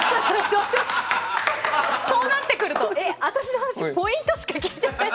そうなってくると、私の話ポイントしか聞いてないの？